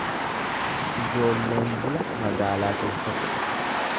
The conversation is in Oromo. Ijoolleen bula magaalaa keessatti.